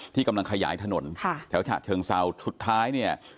ที่กำลังขยายถนนค่ะแถวฉะเชิงเซาสุดท้ายเนี่ย